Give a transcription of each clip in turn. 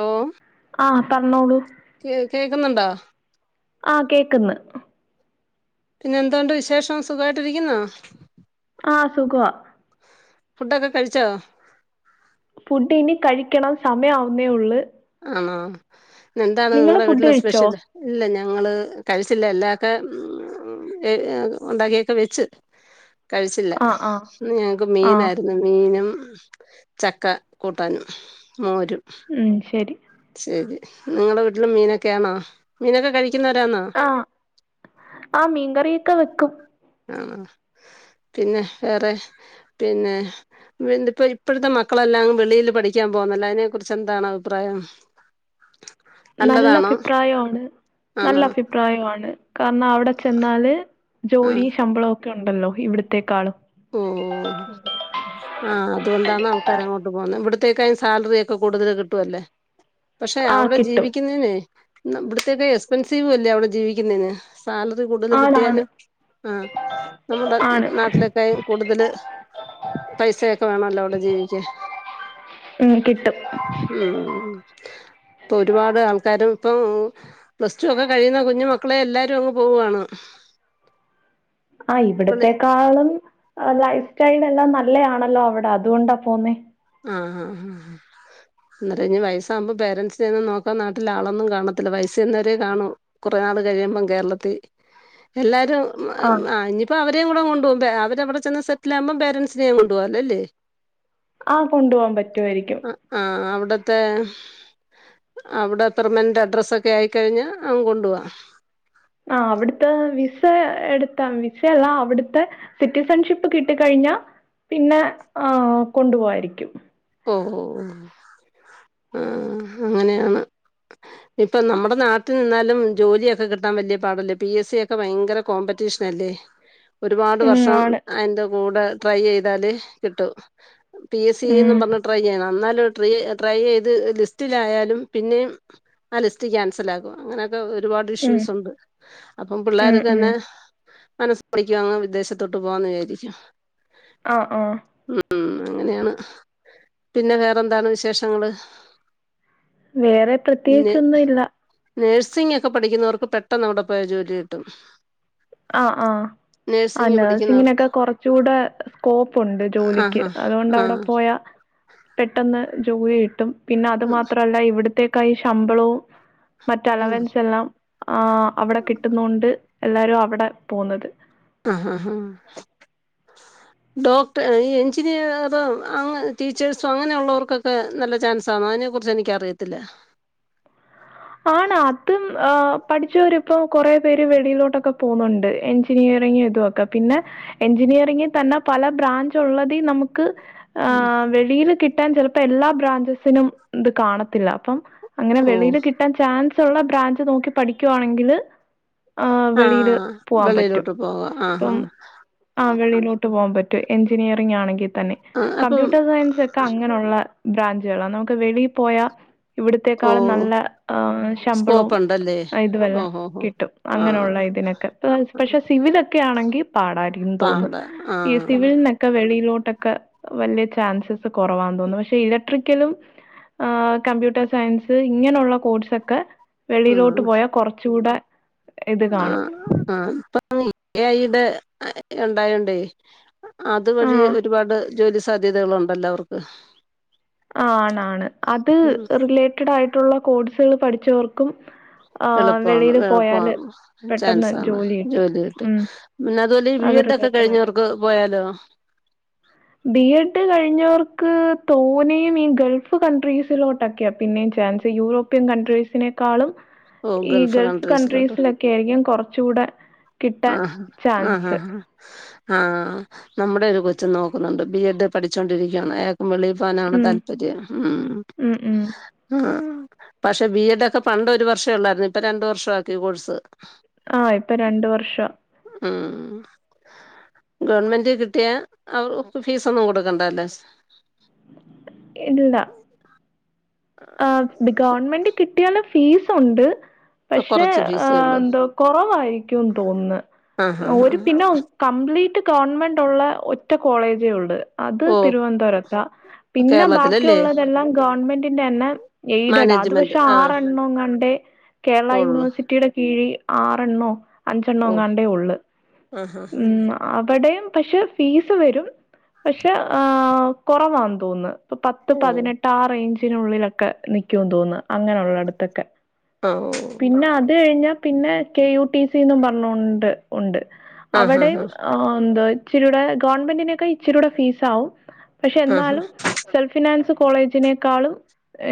ഓ ആഹ് പറഞ്ഞോളൂ കേ കേക്ക്ന്ന് ണ്ടോ ആഹ് കേക്ക്ന്ന് പിന്നെ എന്തോണ്ട് വിശേഷം സുഖായിട്ടിരിക്കുന്നോ ആഹ് സുഖവാ ഫുഡൊക്കെ കഴിച്ചോ ഫുഡ് ഇനി കഴിക്കണം സമയം ആവുന്നേ ഉള്ള് ആണോ ഇന്നെന്താണ് നിങ്ങടെ ഫുഡ് വീട്ടിലെ കഴിച്ചോ സ്പെഷ്യല് ഇല്ല ഞങ്ങള് കഴിച്ചില്ല എല്ലാക്കെ ഉം ഉം ഉണ്ടാക്കിയൊക്കെ വെച്ച് കഴിച്ചില്ല ആഹ് ആഹ് ഇന്ന് ഞങ്ങൾക്ക് ആഹ് മീനായിരുന്നു ഇന്ന് മീനും ചക്ക കൂട്ടാനും മോരും ഉം ശരി ശെരി നിങ്ങടെ വീട്ടിൽ മീനൊക്കെയാണോ മീനൊക്കെ കഴിക്കുന്നവരാന്നോ ആഹ് ആഹ് മീൻകറിയൊക്കെ വെക്കും ആണോ പിന്നെ വേറെ പിന്നെ വിന്ന് ഇപ്പൊ ഇപ്പോഴത്തെ മക്കളെല്ലാം വെളിയിൽ പഠിക്കാൻ പോകുന്നല്ലോ അതിനെ കുറിച്ച് എന്താണ് അഭിപ്രായം [inaudible] നല്ല നല്ലതാണോ അഭിപ്രായാണ് നല്ല ആണോ അഭി പ്രായവാണ് കാരണം അവിടെ ചെന്നാല് ആ ജോലി ശമ്പളൊക്കെ ഉണ്ടല്ലോ ഇവിടത്തേക്കാളും ഉം ഉം ഉം ആഹ് അതുകൊണ്ടാണ് ആൾക്കാര് അങ്ങോട്ട് പോകുന്നത് ഇവിട്ത്തേക്കാളും സാലറി ഒക്കെ കൂടുതല് കിട്ടുവല്ലേ പക്ഷെ ആഹ് അവിടെ കിട്ടും ജീവിക്കുന്നെനേ ഇവിട്ത്തെ ഒര് എസ്പെൻസീവ് ഇല്ലേ അവിടെ ജീവിക്കുന്നതിന് സാലറി കൂടുതല് ആണാണ് കിട്ടിയാലും ആഹ് നമ്മുടെ ആണ് നാട്ടിലെ ലേയും കൂടുതല് പൈസയൊക്കെ വേണല്ലോ ഔടെ ജീവിക്കാൻ ഉം കിട്ടും ഉം പ്പോ ഒരുപാട് ആൾക്കാരും ഇപ്പം പ്ലസ്ടു ഒക്കെ കഴിയുന്ന കുഞ്ഞു മക്കളെ എല്ലാരും അങ്ങ് പോവാണ് ആഹ് വിളി ഇവിടത്തെക്കാളും ലൈഫ് സ്റ്റൈല് എല്ലാം നല്ലെയാണല്ലോ അവിടെ അതുകൊണ്ടാ പോവുന്നെ ആഹ് ആഹ് ആഹ് ന്നേരം ഇഞ്ഞ് വയസ്സാവുമ്പോ പേരൻസിനെ ഒന്നും നോക്കാൻ നാട്ടില് ആളൊന്നും കാണത്തില്ല വയസ്സ് ചേന്നവരെ കാണൂ കൊറെ നാള് കഴിയുമ്പം കേരളത്തി എല്ലാരും ആഹ് ഇഞ്പ്പം അവരെ കൂടെ കൊണ്ടു പോകും അവര് അവിടെ ചെന്ന് സെറ്റില് ആകുമ്പം പേരൻസിനെയും കൊണ്ടു പോകും അല്ലല്ലേ ആഹ് കൊണ്ടു പോവാൻ പറ്റുവായിരിക്കും ആഹ് അവിട്ത്തെ അവിടെ അത്തർമെന്റ് അഡ്രസ്സ് ഒക്കെ ആയിക്കഴിഞ്ഞാ അങ്ങ് കൊണ്ടു പോവാ ആഹ് അവിട്ത്തെ വിസ എടുത്താ വിസയല്ല അവിട്ത്തെ സിറ്റിസൺ ഷിപ്പ് കിട്ടി കഴിഞ്ഞാ പിന്നെ ആഹ് കൊണ്ടുപോവായിരിക്കും ഓഹോ ആഹ് അങ്ങനെയാണ് ഇപ്പം നമ്മുടെ നാട്ടിൽ നിന്നാലും ജോലിയൊക്കെ കിട്ടാൻ വെല്ല്യേ പാടല്ലേ പി എ സി ഒക്കെ ഭയങ്കര കോമ്പറ്റീഷനല്ലെ ഒരുപാട് ഉം വർഷം ആണ് അയ്ന്റെ കൂടെ ട്രൈ ചെയ്താല് കിട്ടും പി എസി ഉം ന്നും ട്രൈ ചെയ്യണം ന്നാലും ട്രി ട്രൈ ചെയ്ത് ലിസ്റ്റിലായാലും പിന്നെയും ആഹ് ലിസ്റ്റ് ക്യാൻസലാക്കും അങ്ങനെയൊക്കെ ഒരുപാട് ഉം ഇഷ്യൂസ് ഉണ്ട് അപ്പം ഉം പിള്ളേര് ഉം തന്നെ മനസ് പിഠിക്കും അങ്ങ് വിദേശത്തോട്ട് പോവാന്ന് വിചാരിക്കും ആഹ് ആഹ് ഉം ഉം അങ്ങനെയാണ് പിന്നെ വേറെ എന്താണ് വിശേഷങ്ങള്? വേറെ പ്രത്യേകിച്ചൊന്നും ഇല്ല നേഴ്സിംങ്ങോക്കെ പഠിക്കുന്നോർക്ക് പെട്ടെന്ന് അവിടെ പോയ ജോലി കിട്ടും ആഹ് ആഹ് ആഹ് നേഴ്സിംഗ് പഠിക്കുന്നവർക്ക് നഴ്സിങ്ങിനൊക്കെ കൊറച്ചുടെ സ്കോപ്പ് ഉണ്ട് ആ ജോലിക്ക് ഹാ അതുകൊണ്ട് ആ അവിടെ പോയ പെട്ടെന്ന് ജോലി കിട്ടും പിന്നെ അതു ആ മാത്രല്ല ഇവിടത്തേക്കായും ശമ്പളവും മറ്റ് ഉം അലവൻസെല്ലാം ആഹ് അവിടെ കിട്ടുന്നോണ്ട് എല്ലാരും അവിടെ പോന്നത് ആഹ് ആഹ് ഹാ ഡോക്ട, ഈ എഞ്ചിനീയറും, ടീച്ചേഴ്സും അങ്ങനെ ഉള്ളവർക്കൊക്കെ നല്ല ചാൻസ് സമാനിയെ കുറിച്ച് എനിക്കറിയത്തില്ല ആണോ അതും പഠിച്ചവരിപ്പം കൊറെ പേര് വെളിയിലോട്ടൊക്കെ പോന്നുണ്ട് എഞ്ചിനീയറിങ് ഇതോ ക്കെ പിന്നെ എഞ്ചിനീയറിങ്ങിൽ തന്നെ പല ബ്രാഞ്ച് ഉള്ളതി നമുക്ക് ഉം ആഹ് വെളിയില് കിട്ടാൻ ചെലപ്പോ എല്ലാ ബ്രാഞ്ചസിനും ഇത് കാണത്തില്ല അപ്പം അങ്ങനെ ഓ വെളിയില് കി ചാൻസ് ഉള്ള ബ്രാഞ്ച് നോക്കി പഠിക്കുവാണെങ്കില് ആഹ് ആ വെളിയില് പോവാൻ പറ്റും വെളിയിലോട്ട് പോകാം ആ ഹാ പ്പം ആഹ് വെളിയിലോട്ട് പോവാൻ പറ്റും എഞ്ചിനീയറിംഗ് ആണെങ്കി തന്നെ ആ അപ്പം കമ്പ്യൂട്ടർ സയൻസ് ക്ക അങ്ങനെയുള്ള ബ്രാഞ്ചുകളാ നമുക്ക് വെളി പോയാ ഓ ഇവിടത്തെക്കാളും നല്ല ശമ്പളവും സ്കോപ്പ് ഉണ്ടല്ലേ ഇതുവെല്ലാം ഓഹോ ഹോ കിട്ടും ആ അങ്ങനെയുള്ള ഇതിനൊക്കെ പക്ഷെ സിവിലൊക്കെ ആണെങ്കി പാടായിരിക്കും തോന്ന് പാട ഈ ആ സിവിൽ ന്നെക്കെ വെളിയിലോട്ടൊക്കെ വല്ല്യ ചാൻസസ് കൊറവാന്ന് തോന്നുന്ന് പക്ഷെ ഇലക്ട്രി ക്കലും, ആഹ് കമ്പ്യൂട്ടർ സയൻസ് ഇങ്ങനൊള്ള കോഴ്സൊക്കെ വെളിയിലോട്ട് പോയാ കൊറച്ചൂടെ ആ ആ ഇപ്പാന്നെ എ ഐ ടെ ഉണ്ടായോണ്ടേ അതുവഴി ആഹ്. ഒരുപാട് ജോലി സാധ്യതകളുണ്ടല്ലോ അവർക്ക്? ആഹ് ആണാണ് അത് ഉം റിലേറ്റഡായിട്ടുള്ള കോഴ്സുകള് പഠിച്ചവർക്കും ആഹ് എളുപ്പവാണ് വെളിയില് പോയാല് എളുപ്പാണ് ചാൻസാണ് ജോലി കിട്ടും പിന്നെ അതുവെല്ലാ ഈ ബീ അത് എഡ് ഒക്കെ റിലേറ്റഡ് ആയിട്ട്. കഴിഞ്ഞവർക്ക് പോയാലോ? ബി എഡ് കഴിഞ്ഞവർക്ക് തോനയും ഈ ഗൾഫ് കൺട്രീസിലോട്ട് ക്കെയാ പിന്നെയും ചാൻസ് യൂറോപ്യൻ കൺട്രീസിനെക്കാളും ഓ ഈ ഗൾഫ് കൺട്രീസിലോട്ട് കൺട്രീസ് ലൊക്കെ രിക്കും കൊറച്ചുടെ ആഹ് ആ ഹാ ആഹ് നമ്മുടെ ഒരു കൊച്ച് നോക്കുന്നുണ്ട് ബി എഡ് പഠിച്ചോണ്ടിരിക്കാണ് എ വെളി പോവാനാണ് ഉം. താല്പര്യം ഉം ഉം ഉം. ആഹ് പക്ഷെ ബി എ ഡൊക്കെ പണ്ടൊരു വർഷെയൊള്ളായിരുന്നു ഇപ്പൊ രണ്ടു വർഷാക്കി കോഴ്സ് ആഹ് ഇപ്പ രണ്ട് വർഷാ ഉംഹ് ഗവൺമെന്റ് കിട്ടിയ അവ് ഫീസൊന്നും കൊടുക്കണ്ടല്ലോ? ഇല്ല ആഹ് ഗവൺമെന്റ് കിട്ടിയാലും ഫീസൊണ്ട് പക്ഷെ കൊറച്ച് ഫീസേ ഏഹ് ഉള്ളൂ എന്തോ കൊറവായിരിക്കൂന്ന് തോന്ന്ന്ന് ആഹ് ആഹ് ഓര് ആഹ് പിന്നെ ഓ കംപ്ലീറ്റ് ഗവൺമെന്റൊള്ള ഒറ്റ കോളേജേയൊള്ള് അത് ഓ തിരുവനന്തപുരത്താ പിന്നെ കേരളത്തിലല്ലേ ബാക്കിയുള്ളതെല്ലാം ഗവൺമെന്റ് തന്നെ എയ്ഡഡാ അത് മാനേജ്മെന്റ് പക്ഷേ ആഹ് ആറെണ്ണങ്ങാണ്ടേ കേരള ഉള്ളു യൂണിവേസിറ്റി യ്ടെ കീഴി ആറെണ്ണോ, ഓ അഞ്ചെണ്ണോങ്ങാണ്ടേ ഒള്ള് ആഹ് ആഹ് ആഹ് അവിടെയും പക്ഷെ ഫീസ് വരും പക്ഷെ ആഹ് കൊറവാന്ന് തോന്നുന്ന് ഇപ്പ പത്ത് ഓ പതിനെട്ട് ആഹ് റെയ്ഞ്ചിനുള്ളിലൊക്കെ നിക്കൂന്ന് തോന്ന്ണ് അങ്ങനൊള്ളട്ത്തൊക്കെ ആഹ് ഓ പിന്നെ അത് കഴിഞ്ഞാ പിന്നെ കെ യു ടി സി ന്നും പറഞ്ഞോണ്ട് ഉണ്ട് ആഹ് അവിടെയും ആഹ് എന്താ ഇച്ചിരൂടെ ഗവൺമെന്റനെക്കായും ഇച്ചിരൂടെ ഫീസാവും ആഹ് ആഹ് പക്ഷെയെന്നാലും സെൽഫിനാൻസ് കോളേജിനേക്കാളും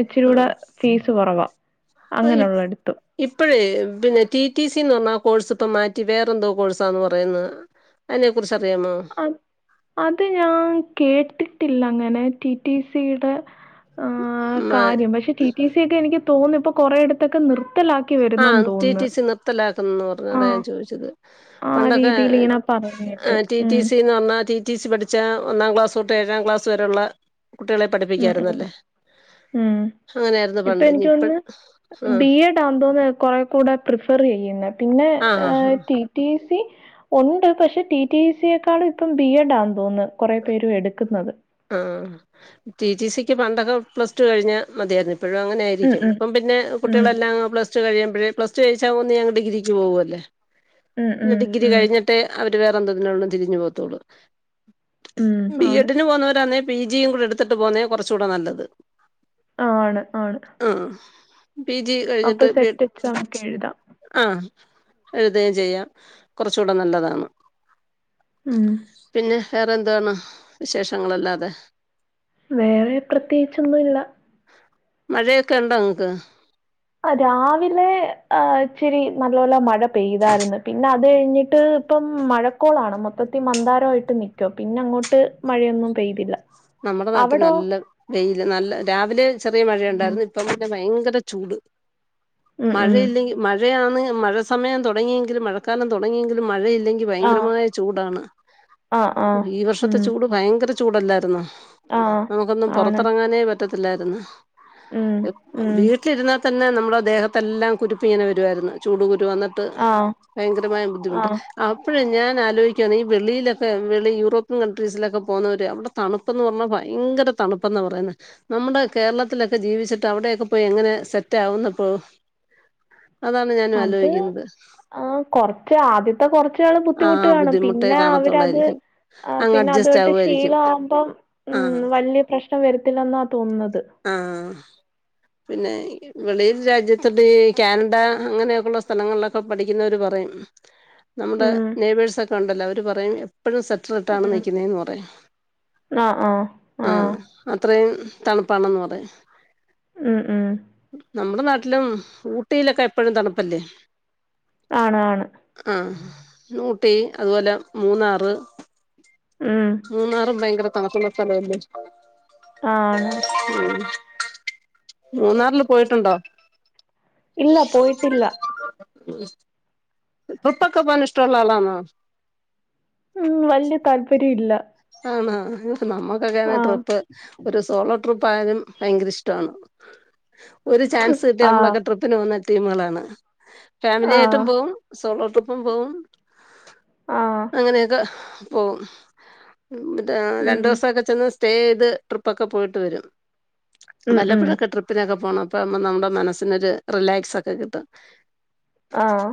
ഇച്ചിരൂട ആഹ് ഫീസ് കൊറവാ അങ്ങനെള്ളട്ത്ത് ഇപ്പഴേ പിന്നെ ടി ടി സിന്ന് പറഞ്ഞാ ആഹ് കോഴ്സിപ്പ മാറ്റി വേറെന്തോ കോഴ്സാന്ന് പറയുന്നേ? അയിനെക്കുറിച്ചറിയാമോ? അത് അത് ഞാൻ കേട്ടിട്ടില്ല അങ്ങനെ ടി ടി സി യ്ടെ ആഹ് അറിയാമോ കാര്യം പക്ഷേ ടി ടി സി യെക്കെ എനിക്ക് തോന്നാ ഇപ്പൊ കൊറെയടത്തൊക്കെ നിർത്തലാ ക്കി വെരുന്നെന്ന് തോന്ന്ണ് നിർത്തലാക്കുന്ന് പറഞ് അതാ ഞാൻ ചോയ്ച്ചത് ആ പണ്ടൊക്കെ രീതിയിൽ ഇങ്ങനെ പറയുന്ന കേട്ട്. ടി ടി ഉം സി ന്ന് പറഞ്ഞാ ടി ടി സി പഠിച്ചാ ഒന്നാം ക്ലാസ് തൊട്ട് ഏഴാം ക്ലാസ് വരെയുള്ള കുട്ടികളെ ഉം ഉം പഠിപ്പിക്കായിരുന്നല്ലേ ഉം. അങ്ങനെയായിരുന്നു പണ്ട് ഇഞ്ഞിപ്പ ആഹ് [unintelligible] കുറെ കൂടെ പ്രിഫറെയ്യുന്നെ പിന്നെ ആഹ് ആഹ് ആഹ് ടി ടി സി ഒണ്ട് പക്ഷെ ടി ടി ഇ സി യെക്കാളും ഇപ്പം ബി എ ഡാന്ന് തോന്ന്ന്ന് കൊറെ പേരും എട്ക്കുന്നത് ആഹ് ടി ടി സി ക്കി പണ്ടൊക്കെ പ്ലസ് ടു കഴിഞ്ഞാ മതിയായിര്ന്ന് ഇ പ്പഴും ഉം അങ്ങനെയായിരിക്കും ഉം ഇപ്പം പിന്നെ ഉം കുട്ടികളെല്ലാം പ്ലസ്ടു കഴിയുമ്പളെക്കും പ്ലസ്ടു ജയിച്ചാ അങ്ങ് ഡിഗ്രക്ക് പോവല്ലേ ഉം പിന്നെ ഉം ഡിഗ്രി ഉം. കഴി ഞ്ഞിട്ടേ അവര് വേറെന്തെകിലൊട്ട് തിരിഞ്ഞു പോകത്തൊള്ളൂ ഉം. ബി ആണ്. എഡ് നു പോന്നവരാ ന്നെ പി ജി യും കൂടെ എട്ത്തിട്ട് പോന്നെയാ കൊറചൂടെ നല്ലത് ആഹ് ആണ് ആണ് ആഹ് പി ജി അപ്പൊ കഴിഞ്ഞിട്ട് പെ സെറ്റ് എക്സാമൊക്കെ എഴുതാം. ആഹ് എഴുതെ ചെയ്യാം കുറച്ചുടെ നല്ലതാണ് ഉം പിന്നെ വേറെ എന്തവാണ് വിശേഷങ്ങളല്ലാതെ വേറെ പ്രത്യേകിച്ചൊന്നുല്ല മഴയൊക്കെ ഉണ്ടോ ങ്ങക്ക് അതെരാവിലെ ഇച്ചിരി നല്ലോല മഴ പെയ്തായിര്ന്ന് പിന്നെ അത് ഴിഞ്ഞിട്ട് ഇപ്പം മഴക്കോളാണ് മൊത്തത്തി മന്താരായിട്ട് നിക്ക പിന്നെ ങ്ങോട്ട് മഴയൊന്നും പെയ്തില്ല നമ്മടെ നാട്ടിൽ അവിടോ? നല്ല വെയില് നല്ല രാവിലെ ചെറിയ മഴയുണ്ടാര് ഉം. ന്ന് ഇപ്പ പിന്നെ ഭയങ്കര ചൂട് ഉം, ഉം. മഴയില്ലെങ്കി മഴയാണ് മഴ സമയം തുടങ്ങിയെങ്കിലും മഴക്കാലം തുടങ്ങിയെങ്കിലും മഴയില്ലെങ്കിൽ ക്കി ആഹ്. ഭയങ്കരമായ ചൂടാണ് ആഹ്, ആഹ്. ഈ വർഷത്തെ ഉം. ചൂട് ഭയങ്കര ചൂടല്ലായിരുന്നോ ആഹ്. നമുക്കൊന്നും ആണ്. പോറത്തറങ്ങാനേ പറ്റത്തില്ലായിരുന്നു ഉം, ഉം. വീട്ടിലിരുന്നാ തന്നെ നമ്മടെ ദേഹത്തെല്ലാം കുരുപ്പ് ഇങ്ങനെ വരുവായിര്ന് ചൂട് കുരു വന്ന ട്ട് ആഹ്. ഭയങ്കരമായ ബുദ്ധിമുട്ട് ആഹ്. അപ്പോഴും ഞാൻ ആലോയിക്കാണെ ഈ വെളിയിലൊക്കെ വെളി യൂറോപ്യൻ കൺട്രീസിലൊക്കെ പോകുന്നവര് അവിടെ തണു തണുപ്പന്ന് പറഞ്ഞാഭയങ്കര തണുപ്പന്നാ പറേന്നേ നമ്മടെ കേരളത്തിലൊക്കെ ജീവിച്ചിട്ട് അവിടെക്കെ പോയി എങ്ങനെ സെറ്റ ആകുന്നപ്പോ അതാണ് ഞാനും ആലോയി ക്കുന്നത് ആഹ് കൊറച്ച് ആദ്യത്തെ കൊറച്ചാൾ ആ ബുദ്ധിമുട്ടുകാണും ബുദ്ധിമുട്ടേ പിന്നെ അവര ത് കാണത്തൊള്ളായിരിക്കും ആഹ് അങ്ങ് പിന്നെ അഡ്ജസ്റ്റ് അതൊട്ട് ആകുമായിരിക്കും ശീലാകുമ്പം ആഹ് വലിയ പ്രശ്നം വരത്തില്ലെന്നാ തോന്നുന്നത് ആഹ് പിന്നെ വെളിയിൽ രാജ്യത്ത ഈ കാനഡ അങ്ങനെയൊക്കെയുള്ള സ്ഥലങ്ങളിലൊക്കെ പഠിക്കുന്നവര് പറയും നമ്മുടെ ഉം നെയ്ബേഴ്സൊക്കെ ഉണ്ടല്ലോ അവര് പറയും എപ്പോഴും സെ ക്റ്റർ ഇട്ടാണ് ഉം നിക്കുന്നന്ന് പറയും ആഹ് ആഹ് ആഹ് അത്രയും തണുപ്പാണെന്ന് പറയും ഉം ഉം നമ്മുടെ നാട്ടിലും ഊട്ടിയിലൊക്കെ എപ്പഴും തണുപ്പല്ലേ ആണ് ആണ് ആ നൂട്ടി അതുപോലെ മൂന്നാറ് ഉം മൂന്നാറും ഭയങ്കര തണുപ്പൊള്ള സ്ഥലല്ലേ ആണ് ഉം മൂന്നാറില് പോയിട്ടുണ്ടോ? ഇല്ല പോയിട്ടില്ല ഉം ട്രിപ്പൊക്കെ പോകാൻ ഇഷ്ട ഉള്ള ആളാണോ? ഉം വല്യ താല്പര്യ ഇല്ല ആഹ് ഹാ നമ്മുക്കൊക്കെ ആഹ് ട്രിപ്പ് ഒരു സോളോ ട്രിപ്പ് ആയാലും ഭയങ്കര ഇഷ്ടണ് ഒരു ചാൻസ് കിട്ടിയ ആഹ് നമ്മളൊക്കെ ട്രിപ്പിന് പോന്ന ടീമുകളാണ് ഫാമിലി ആഹ് ആയിട്ടും പോവും സോളോ ട്രിപ്പും പോവും ആഹ് അങ്ങനെയൊക്കെ പോകും മ് രണ്ടു ഉം ദിവസൊക്കെ ചെന്ന് സ്റ്റേ ചെയ്ത് ട്രിപ്പൊക്കെ പോയിട്ട് വരും ഉം ഉം വല്ലപ്പോഴൊക്കെ ട്രിപ്പിനൊക്കെ പോണം അപ്പ നമ്മുടെ മനസ്സിനൊരു റിലാക്സ് ഒക്കെ കിട്ടും ആഹ്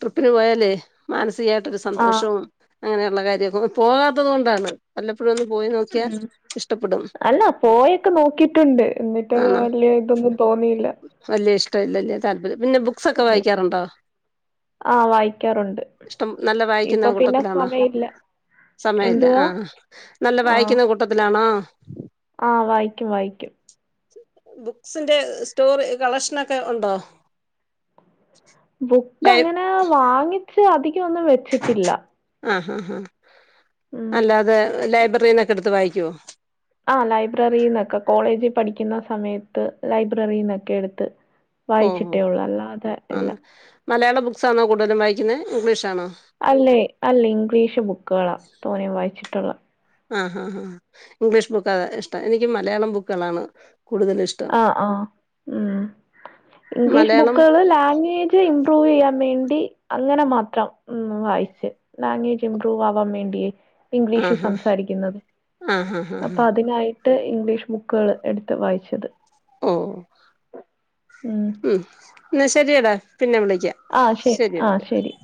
ട്രിപ്പിന് പോയാല് മാനസികായിട്ടൊരു ആഹ് സന്തോഷവും അങ്ങനെയുള്ള കാര്യൊക്കെ പോകാത്തത് കൊണ്ടാണ് വല്ലപ്പോഴും ഒന്ന് പോയി നോക്കിയാൽ ഉം ഇഷ്ടപ്പെടും അല്ല പോയൊക്കെ നോക്കിട്ടുണ്ട് എന്നിട്ട് ട്ട് വല്യ ഇതൊന്നും തോന്നിയില്ല വല്യ ഇഷ്ടല്ലല്ലേ താല്പര്യം പിന്നെ ബുക്സൊക്കെ വായിക്കാറുണ്ടോ? ആ വായിക്കാറുണ്ട് ഇഷ്ടം നല്ല ഇപ്പൊ വായിക്കുന്ന പിന്നെ കൂട്ടത്തിലാണോ? സമയമില്ല സമയല്ല എന്തുവാ ആഹ് നല്ല വായിക്കുന്ന കൂട്ടത്തിലാണോ? ആഹ് വായിക്കും വായിക്കും ബുക്സിന്റെ സ്റ്റോറി കളക്ഷനൊക്കെ ഉണ്ടോ? ബുക്ക് ലൈ അങ്ങനെ വാങ്ങിച്ച് അധികം ഒന്നും വെച്ചിട്ടില്ല ആഹ് ഹാ ഹാ ഉം അല്ലാതെ ലൈബ്രറിന്നൊക്കെ എടുത്ത് വായിക്കുവോ? ആഹ് ലൈബ്രറിന്നൊക്കെ കോളേജി പഠിക്കുന്ന സമയത്ത് ലൈബ്രറിന്നൊക്കെ എടുത്ത് ഓഹോ വായിച്ചിട്ടേ ഉള്ളൂ അല്ലാതെ ഇല്ല ആഹ് മലയാള ബുക്സാണോ കൂടുതലും വായിക്കുന്നത് ഇംഗ്ലീഷാണോ? അല്ലേ അല്ല ഇംഗ്ലീഷ് ബുക്കുകളാ തോനയും വായിച്ചിട്ടുള്ളത് ആഹ് ഹാ ഹാ ഇംഗ്ലീഷ് ബുക്കാ ഇഷ്ടം എനിക്ക് മലയാളം ബുക്കുകളാണ് കൂടുതല് ഇഷ് ആഹ് ആഹ് ഉം ഇംഗ്ലീഷ് മലയാളം ബുക്കുകൾ ലാംഗ്വേ ജ് ഇംമ്പ്രൂവയ്യാൻ വേണ്ടി അങ്ങനെ മാത്രം ഉം വായിച്ച് ലാംഗ്വേജ് ഇംമ്പ്രൂവ് ആവാൻ വേണ്ടിയേ ഇംഗ്ലീഷിൽ ആഹ് സംസാരിക്കുന്നത് ആഹ് ഹാ അപ്പൊ അതിനായിട്ട് ഇംഗ്ലീഷ് ബുക്കുകള് എടുത്ത് വായിച്ചത് ഓഹ് ഉം എന്നാ ശെരിയടാ പിന്നെ വിളിക്കാ ആഹ് ശെ ആഹ് ശെരി